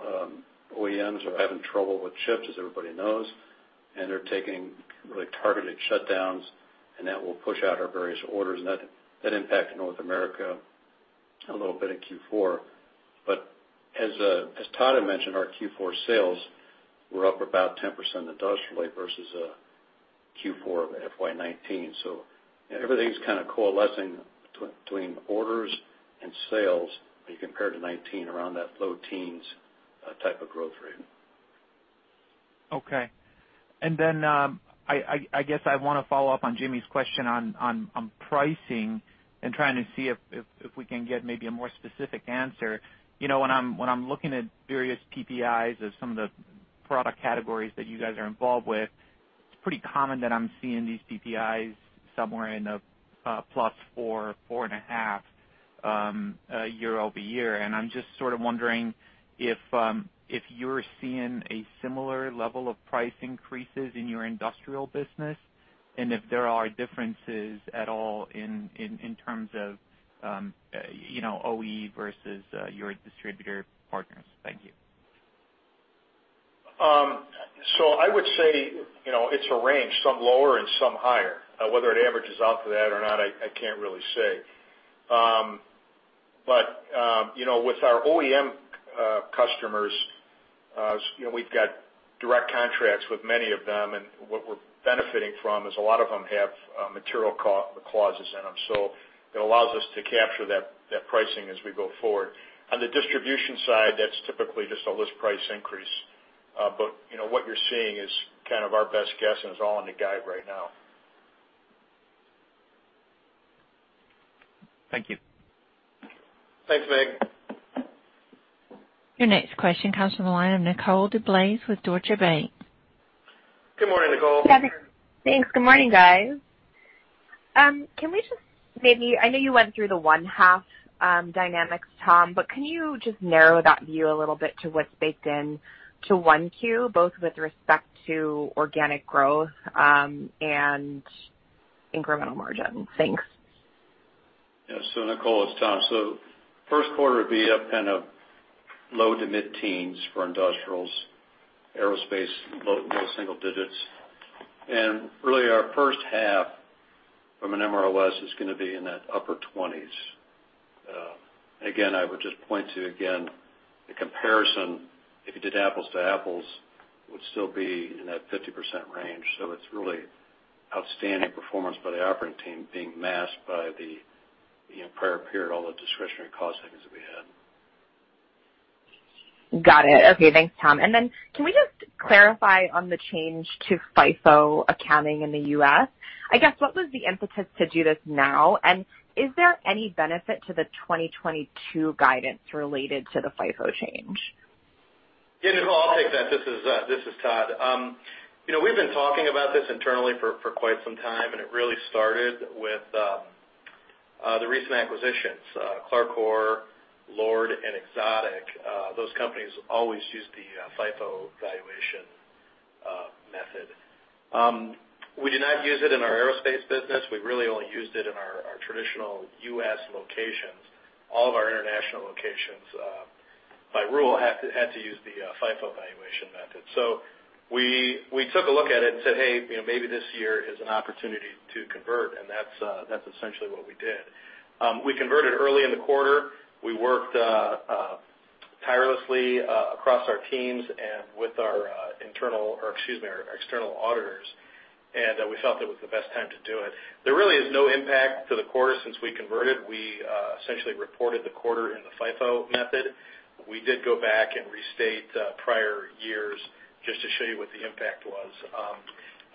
OEMs are having trouble with chips, as everybody knows, and they're taking really targeted shutdowns, and that will push out our various orders, and that impacted North America a little bit in Q4. As Todd had mentioned, our Q4 sales were up about 10% industrially versus Q4 of FY 2019. Everything's kind of coalescing between orders and sales when you compare to 2019 around that low teens type of growth rate. Okay. I guess I want to follow up on Jamie's question on pricing and trying to see if we can get maybe a more specific answer. When I'm looking at various PPIs of some of the product categories that you guys are involved with, it's pretty common that I'm seeing these PPIs somewhere in the plus 4.5% year-over-year. I'm just sort of wondering if you're seeing a similar level of price increases in your industrial business and if there are differences at all in terms of OE versus your distributor partners. Thank you. I would say it's a range, some lower and some higher. Whether it averages out to that or not, I can't really say. With our OEM customers, we've got direct contracts with many of them, and what we're benefiting from is a lot of them have material clauses in them. It allows us to capture that pricing as we go forward. On the distribution side, that's typically just a list price increase. What you're seeing is kind of our best guess, and it's all in the guide right now. Thank you. Thanks, Mig. Your next question comes from the line of Nicole DeBlase with Deutsche Bank. Good morning, Nicole. Thanks. Good morning, guys. Can we just I know you went through the one-half dynamics, Tom, but can you just narrow that view a little bit to what's baked into 1Q, both with respect to organic growth and incremental margin? Thanks. Nicole, it's Tom. First quarter would be a kind of low to mid-teens for industrials. Aerospace, low single digits. Really, our first half from an MROS is going to be in that upper 20s. Again, I would just point to the comparison, if you did apples to apples, would still be in that 50% range. It's really outstanding performance by the operating team being masked by the prior period, all the discretionary cost savings that we had. Got it. Okay. Thanks, Tom. Can we just clarify on the change to FIFO accounting in the U.S.? I guess what was the impetus to do this now, and is there any benefit to the 2022 guidance related to the FIFO change? Yeah, Nicole, I'll take that. This is Todd. We've been talking about this internally for quite some time, and it really started with the recent acquisitions, CLARCOR, Lord, and Exotic. Those companies always used the FIFO valuation method. We do not use it in our Aerospace Systems business. We really only used it in our traditional U.S. locations. All of our international locations, by rule, had to use the FIFO valuation method. We took a look at it and said, "Hey, maybe this year is an opportunity to convert," and that's essentially what we did. We converted early in the quarter. We worked tirelessly across our teams and with our external auditors, and we felt that was the best time to do it. There really is no impact to the quarter since we converted. We essentially reported the quarter in the FIFO method. We did go back and restate prior years just to show you what the impact was.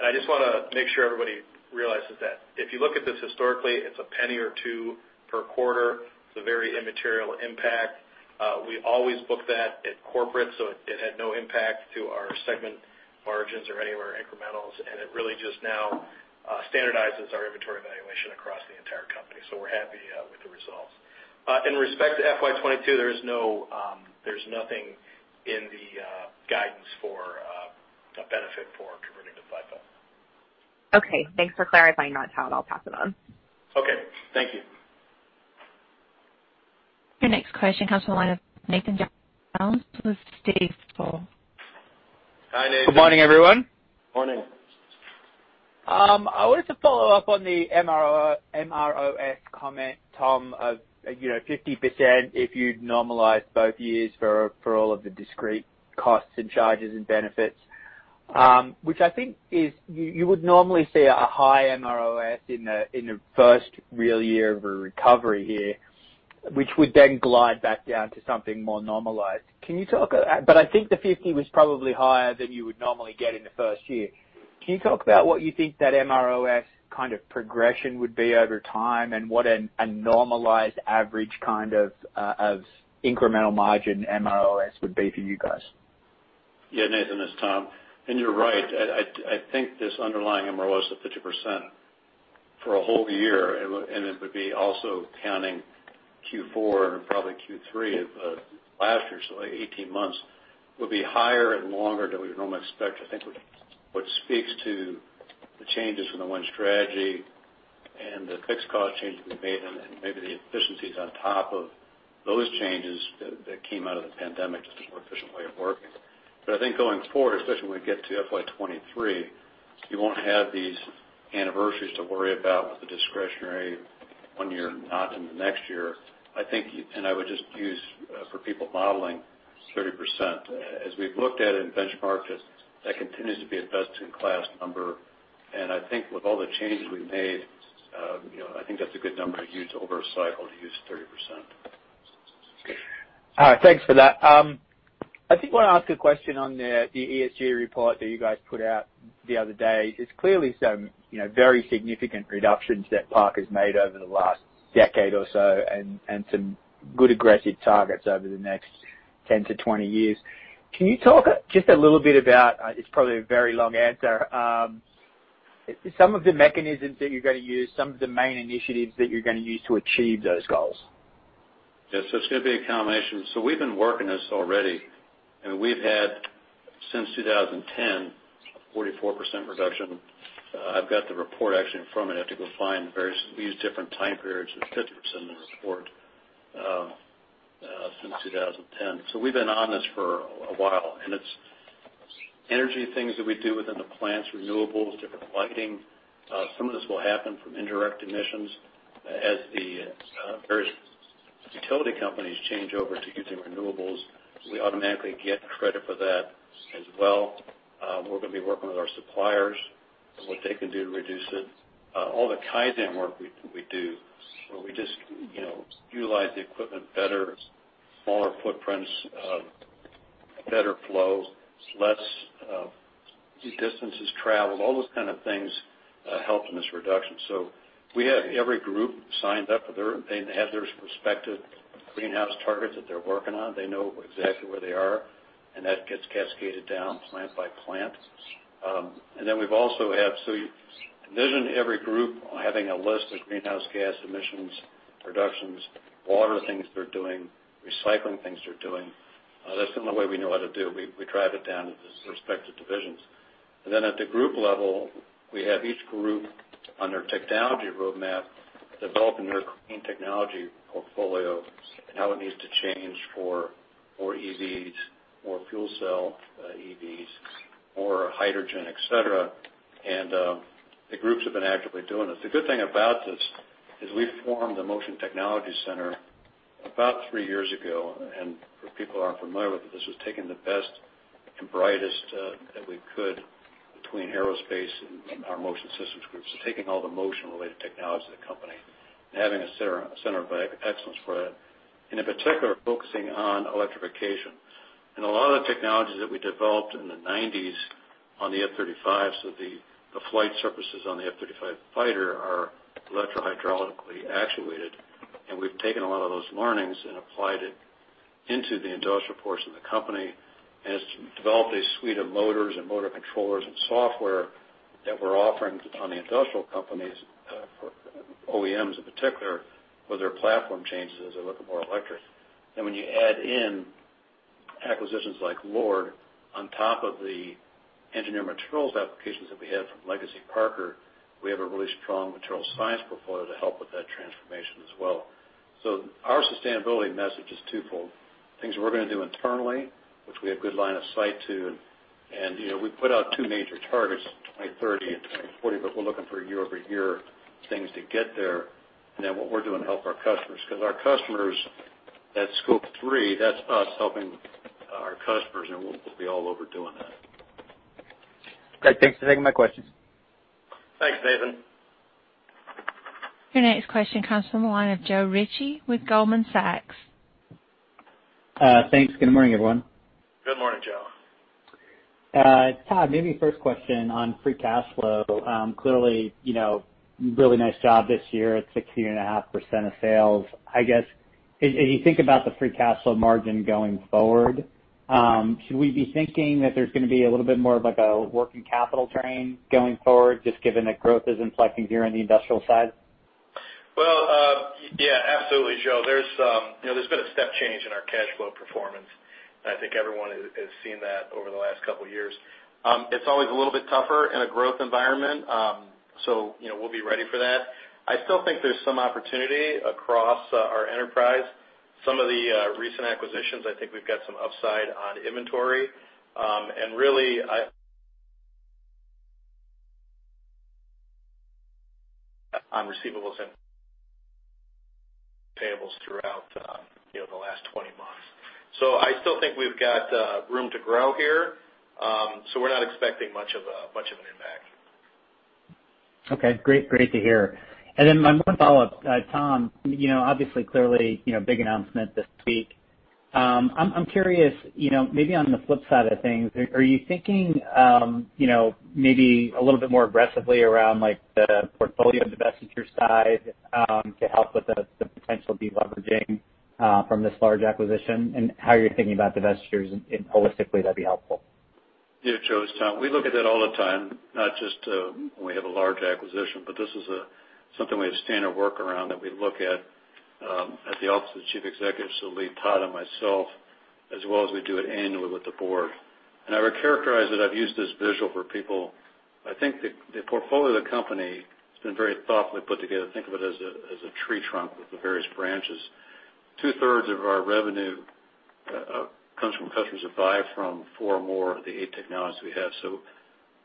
I just want to make sure everybody realizes that if you look at this historically, it's a penny or two per quarter. It's a very immaterial impact. We always book that at corporate, it had no impact to our segment margins or any of our incrementals, it really just now standardizes our inventory valuation across the entire company. We're happy with the results. In respect to FY 2022, there's nothing in the guidance for a benefit for converting to FIFO. Okay. Thanks for clarifying that, Tom. I'll pass it on. Okay. Thank you. Your next question comes from the line of Nathan with Stifel. Hi, Nathan. Good morning, everyone. Morning. I wanted to follow up on the MROS comment, Tom, of 50% if you'd normalized both years for all of the discrete costs and charges and benefits. Which I think is, you would normally see a high MROS in the first real year of a recovery here, which would then glide back down to something more normalized. I think the 50 was probably higher than you would normally get in the first year. Can you talk about what you think that MROS kind of progression would be over time, and what a normalized average kind of incremental margin MROS would be for you guys? Nathan, it's Tom. You're right. I think this underlying MROS of 50% for a whole year, and it would be also counting Q4 and probably Q3 of last year, so 18 months, will be higher and longer than we would normally expect. I think what speaks to the changes from the One Strategy and the fixed cost changes we've made and then maybe the efficiencies on top of those changes that came out of the pandemic, just a more efficient way of working. I think going forward, especially when we get to FY 2023, you won't have these anniversaries to worry about with the discretionary one year, not in the next year. I think, I would just use for people modeling 30%. As we've looked at it and benchmarked it, that continues to be a best-in-class number, and I think with all the changes we've made, I think that's a good number to use over a cycle, to use 30%. All right. Thanks for that. I did want to ask a question on the ESG report that you guys put out the other day. It's clearly some very significant reductions that Parker's made over the last decade or so and some good aggressive targets over the next 10-20 years. Can you talk just a little bit about, it's probably a very long answer, some of the mechanisms that you're going to use, some of the main initiatives that you're going to use to achieve those goals? It's going to be a combination. We've been working this already, and we've had since 2010, a 44% reduction. I've got the report actually in front of me. I have to go find various. We use different time periods. There's 50% in the report, since 2010. We've been on this for a while, and it's energy things that we do within the plants, renewables, different lighting. Some of this will happen from indirect emissions as the various utility companies change over to using renewables. We automatically get credit for that as well. We're going to be working with our suppliers on what they can do to reduce it. All the Kaizen work we do where we just utilize the equipment better, smaller footprints, better flow, less distances traveled, all those kind of things help in this reduction. We have every group signed up. They have their respective greenhouse targets that they're working on. They know exactly where they are, that gets cascaded down plant by plant. You envision every group having a list of greenhouse gas emissions, reductions, water things they're doing, recycling things they're doing. That's the only way we know how to do it. We drive it down to the respective divisions. At the group level, we have each group on their technology roadmap develop their clean technology portfolio and how it needs to change for more EVs, more fuel cell EVs, more hydrogen, et cetera. The groups have been actively doing this. The good thing about this is we formed the Motion Technology Center about three years ago, and for people who aren't familiar with it, this was taking the best and brightest that we could between aerospace and our motion systems groups. Taking all the motion-related technology in the company and having a center of excellence for that, in particular, focusing on electrification. A lot of the technologies that we developed in the '90s on the F-35, the flight surfaces on the F-35 fighter are electro-hydraulically actuated. We've taken a lot of those learnings and applied it into the industrial portion of the company and developed a suite of motors and motor controllers and software that we're offering on the industrial companies, for OEMs in particular, for their platform changes as they look at more electric. When you add in acquisitions like LORD on top of the engineer materials applications that we have from legacy Parker, we have a really strong material science portfolio to help with that transformation as well. Our sustainability message is twofold. Things we're going to do internally, which we have good line of sight to, and we put out two major targets, 2030 and 2040, but we're looking for year-over-year things to get there. What we're doing to help our customers. Because our customers at Scope 3, that's us helping our customers, and we'll be all over doing that. Great. Thanks for taking my questions. Thanks, Nathan. Your next question comes from the line of Joe Ritchie with Goldman Sachs. Thanks. Good morning, everyone. Good morning, Joe. Todd, maybe first question on free cash flow? Clearly, really nice job this year at 16.5% of sales. I guess, as you think about the free cash flow margin going forward, should we be thinking that there's going to be a little bit more of a working capital train going forward, just given that growth is inflecting here on the industrial side? Well, yeah, absolutely, Joe. There's been a step change in our cash flow performance, and I think everyone has seen that over the last couple of years. It's always a little bit tougher in a growth environment, so we'll be ready for that. I still think there's some opportunity across our enterprise. Some of the recent acquisitions, I think we've got some upside on inventory. Really, on receivables and payables throughout the last 20 months. I still think we've got room to grow here, so we're not expecting much of an impact. Okay, great to hear. My one follow-up, Tom. Obviously, clearly, big announcement this week. I'm curious, maybe on the flip side of things, are you thinking maybe a little bit more aggressively around the portfolio divestiture side to help with the potential de-leveraging from this large acquisition and how you're thinking about divestitures and holistically, that'd be helpful? Yeah, Joe, it's Tom. We look at that all the time, not just when we have a large acquisition, but this is something we have a standard work around that we look at the Office of the Chief Executive, so Lee, Todd and myself, as well as we do it annually with the board. I would characterize it, I've used this visual for people. I think the portfolio of the company has been very thoughtfully put together. Think of it as a tree trunk with the various branches. Two-thirds of our revenue comes from customers who buy from four or more of the eight technologies we have.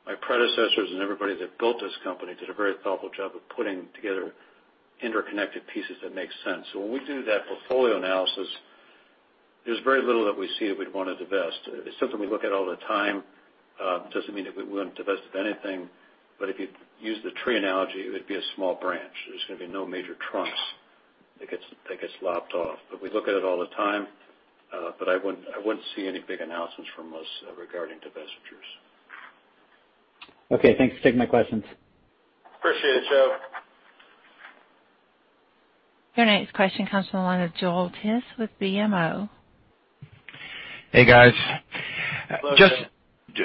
My predecessors and everybody that built this company did a very thoughtful job of putting together interconnected pieces that makes sense. When we do that portfolio analysis, there's very little that we see that we'd want to divest. It's something we look at all the time. Doesn't mean that we wouldn't divest anything, but if you use the tree analogy, it would be a small branch. There's going to be no major trunks that gets lopped off. We look at it all the time, but I wouldn't see any big announcements from us regarding divestitures. Okay, thanks. Take my questions. Appreciate it, Joe. Your next question comes from the line of Joel Tiss with BMO. Hey, guys. Hello, Joel.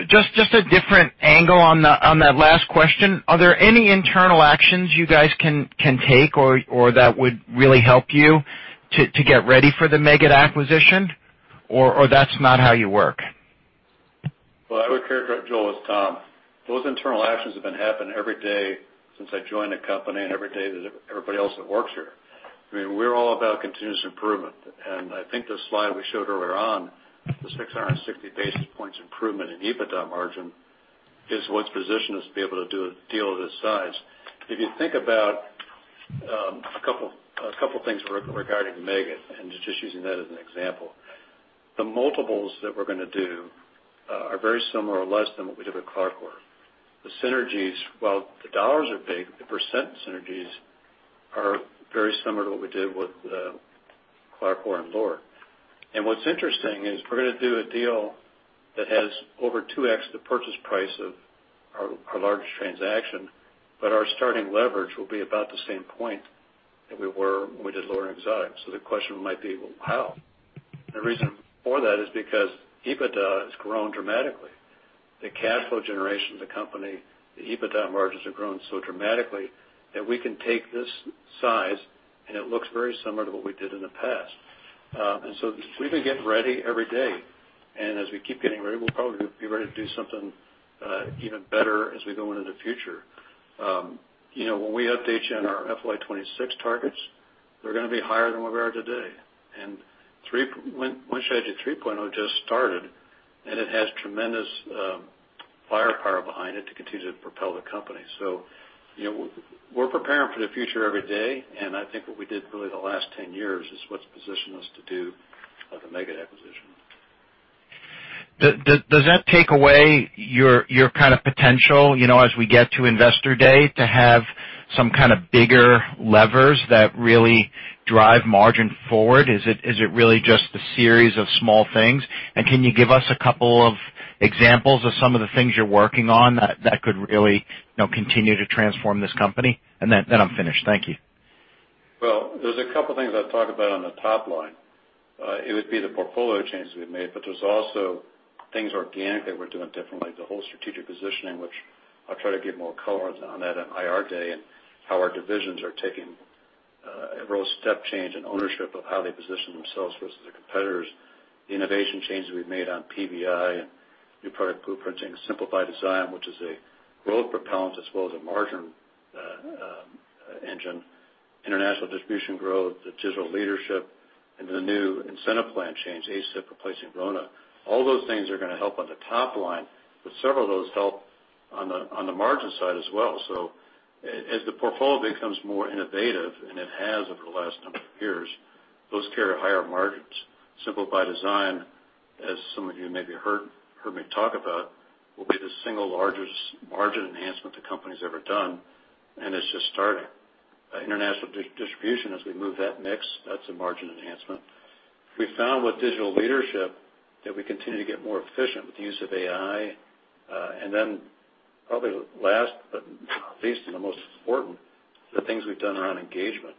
Just a different angle on that last question. Are there any internal actions you guys can take or that would really help you to get ready for the Meggitt acquisition, or that's not how you work? Well, I would characterize, Joel, it's Tom. Those internal actions have been happening every day since I joined the company and every day that everybody else that works here. We're all about continuous improvement. I think the slide we showed earlier on, those 660 basis points improvement in EBITDA margin, is what's positioned us to be able to do a deal this size. If you think about a couple things regarding Meggitt, and just using that as an example. The multiples that we're going to do are very similar or less than what we did with CLARCOR. The synergies, while the dollars are big, the percent synergies are very similar to what we did with CLARCOR and Lord. What's interesting is we're going to do a deal that has over 2x the purchase price of our largest transaction, but our starting leverage will be about the same point that we were when we did Lord and Exotic. The question might be, well, how? The reason for that is because EBITDA has grown dramatically. The cash flow generation of the company, the EBITDA margins have grown so dramatically that we can take this size, and it looks very similar to what we did in the past. We've been getting ready every day, and as we keep getting ready, we'll probably be ready to do something even better as we go into the future. When we update you on our FY 2026 targets, they're going to be higher than what we are today. One Parker-Hannifin just started, and it has tremendous firepower behind it to continue to propel the company. We're preparing for the future every day, and I think what we did really the last 10 years is what's positioned us to do the Meggitt acquisition. Does that take away your kind of potential, as we get to Investor Day, to have some kind of bigger levers that really drive margin forward? Is it really just a series of small things? Can you give us a couple of examples of some of the things you're working on that could really continue to transform this company? Then I'm finished. Thank you. Well, there's a couple things I've talked about on the top line. It would be the portfolio changes we've made, but there's also things organic that we're doing differently, the whole strategic positioning, which I'll try to give more color on that on IR Day and how our divisions are taking a real step change in ownership of how they position themselves versus the competitors. The innovation changes we've made on PVI and new product blueprinting, Simple by Design, which is a growth propellant as well as a margin engine. International distribution growth, digital leadership, and the new incentive plan change, ASIP replacing RONA. All those things are going to help on the top line, but several of those help on the margin side as well. As the portfolio becomes more innovative, and it has over the last number of years, those carry a higher margin. Simple by Design, as some of you maybe heard me talk about, will be the single largest margin enhancement the company's ever done, and it's just starting. International distribution, as we move that mix, that's a margin enhancement. We found with digital leadership that we continue to get more efficient with the use of AI. Probably last, but not least, and the most important, the things we've done around engagement.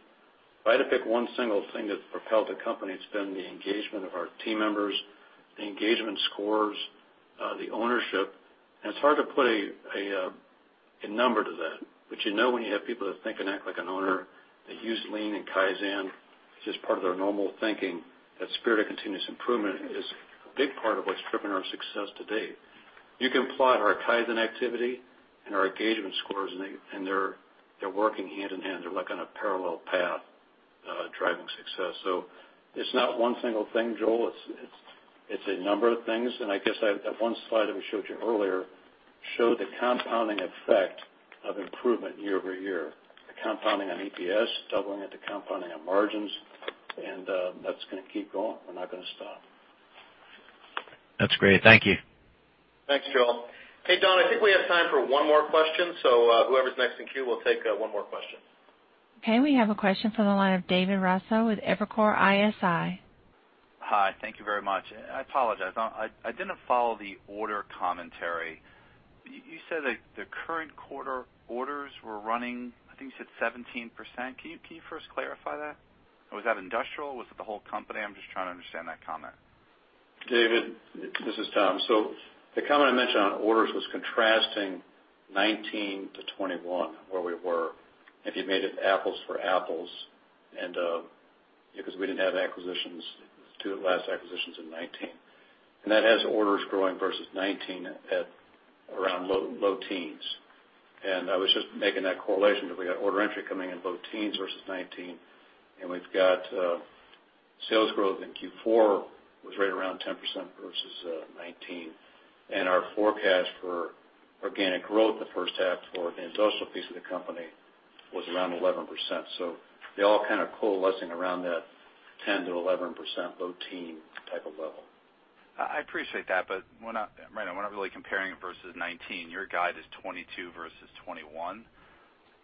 If I had to pick one single thing that's propelled the company, it's been the engagement of our team members, the engagement scores, the ownership. It's hard to put a number to that. You know when you have people that think and act like an owner, that use lean and Kaizen, it's just part of their normal thinking. That spirit of continuous improvement is a big part of what's driven our success to date. You can plot our Kaizen activity and our engagement scores, and they're working hand in hand. They're like on a parallel path, driving success. It's not one single thing, Joel. It's a number of things. I guess that one slide that we showed you earlier showed the compounding effect of improvement year-over-year, the compounding on EPS, doubling it, the compounding on margins, and that's going to keep going. We're not going to stop. That's great. Thank you. Thanks, Joel. Hey, Don, I think we have time for one more question. Whoever's next in queue, we'll take one more question. Okay, we have a question from the line of David Raso with Evercore ISI. Hi. Thank you very much. I apologize. I didn't follow the order commentary. You said that the current quarter orders were running, I think you said 17%. Can you first clarify that? Was that industrial? Was it the whole company? I'm just trying to understand that comment. David, this is Tom. The comment I mentioned on orders was contrasting 2019 to 2021, where we were, if you made it apples for apples, because we didn't have acquisitions, two of the last acquisitions in 2019. That has orders growing versus 2019 at around low teens. I was just making that correlation, that we got order entry coming in low teens versus 2019, and we've got sales growth in Q4 was right around 10% versus 2019. Our forecast for organic growth in the first half for the industrial piece of the company was around 11%. They're all kind of coalescing around that 10%-11%, low teen type of level. I appreciate that. We're not really comparing it versus 2019. Your guide is 2022 versus 2021.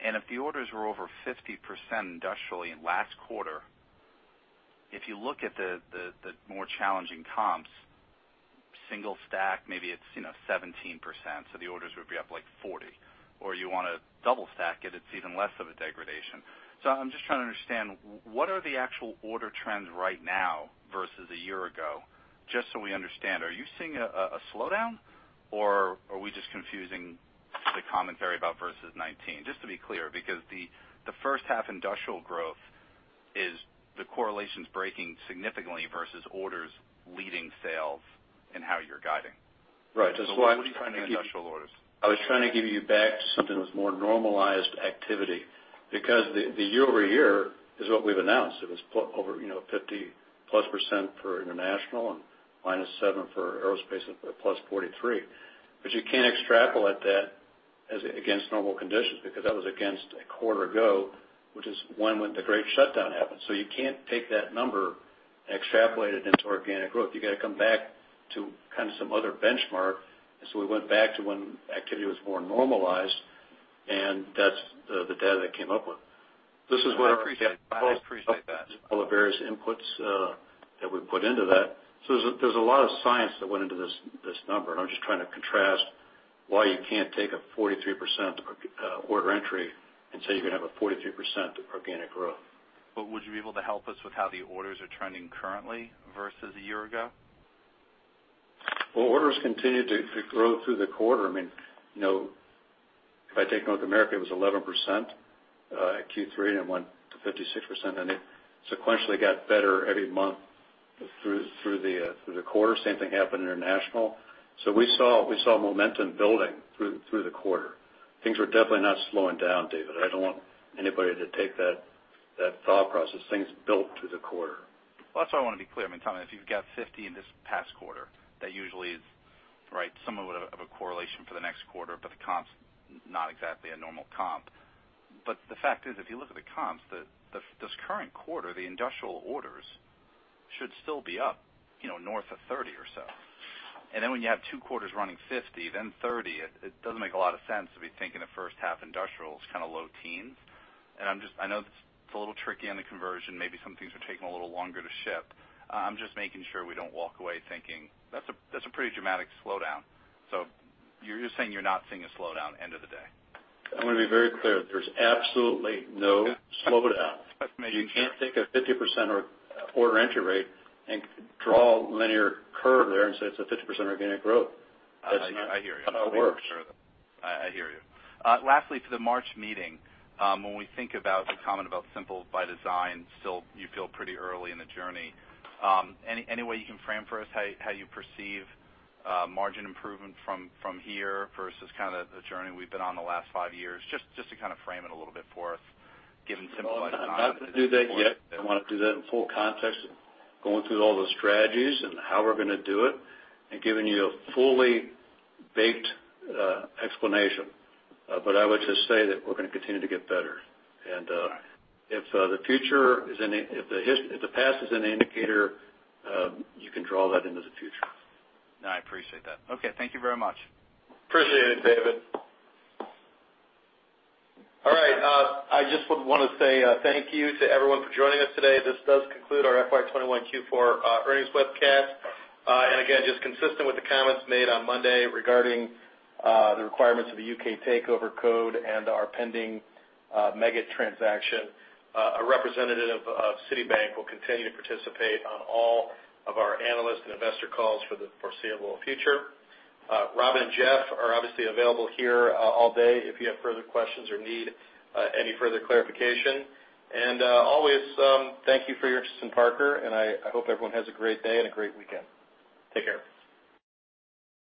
If the orders were over 50% industrially in last quarter, if you look at the more challenging comps, single stack, maybe it's 17%, so the orders would be up like 40. You want to double stack it's even less of a degradation. I'm just trying to understand what are the actual order trends right now versus a year ago, just so we understand. Are you seeing a slowdown, or are we just confusing the commentary about versus 2019? Just to be clear, because the first half industrial growth is the correlation's breaking significantly versus orders leading sales and how you're guiding. Right. What are you finding in industrial orders? I was trying to give you back to something that was more normalized activity because the year-over-year is what we've announced. It was over 50+% for International and -7% for Aerospace Systems and +43%. You can't extrapolate that as against normal conditions because that was against a quarter ago, which is one when the great shutdown happened. You can't take that number and extrapolate it into organic growth. You got to come back to some other benchmark. We went back to when activity was more normalized, and that's the data they came up with. This is what our- I appreciate that. all the various inputs that we put into that. There's a lot of science that went into this number, and I'm just trying to contrast why you can't take a 43% order entry and say you're going to have a 43% organic growth. Would you be able to help us with how the orders are trending currently versus a year ago? Well, orders continued to grow through the quarter. If I take North America, it was 11% at Q3, and it went to 56%, and it sequentially got better every month through the quarter. Same thing happened international. We saw momentum building through the quarter. Things were definitely not slowing down, David. I don't want anybody to take that thought process. Things built through the quarter. That's why I want to be clear. Tom, if you've got 50% in this past quarter, that usually is somewhat of a correlation for the next quarter, the comp's not exactly a normal comp. The fact is, if you look at the comps, this current quarter, the industrial orders should still be up north of 30% or so. When you have two quarters running 50%, then 30%, it doesn't make a lot of sense to be thinking a 1st half industrial is kind of low teens. I know it's a little tricky on the conversion. Maybe some things are taking a little longer to ship. I'm just making sure we don't walk away thinking that's a pretty dramatic slowdown. You're just saying you're not seeing a slowdown, end of the day. I want to be very clear. There's absolutely no slowdown. Just making sure. You can't take a 50% order entry rate and draw a linear curve there and say it's a 50% organic growth. I hear you. That's not how it works. I hear you. Lastly, to the March meeting, when we think about the comment about Simple by Design, still you feel pretty early in the journey. Any way you can frame for us how you perceive margin improvement from here versus the journey we've been on the last five years? Just to frame it a little bit for us given Simple by Design. Well, I'm not going to do that yet. I want to do that in full context, going through all the strategies and how we're going to do it and giving you a fully baked explanation. I would just say that we're going to continue to get better. If the past is an indicator, you can draw that into the future. No, I appreciate that. Okay, thank you very much. Appreciate it, David. All right. I just would want to say thank you to everyone for joining us today. This does conclude our FY 2021 Q4 earnings webcast. Again, just consistent with the comments made on Monday regarding the requirements of the U.K. Takeover Code and our pending Meggitt transaction, a representative of Citibank will continue to participate on all of our analyst and investor calls for the foreseeable future. Robin and Jeff are obviously available here all day if you have further questions or need any further clarification. Always thank you for your interest in Parker, and I hope everyone has a great day and a great weekend. Take care.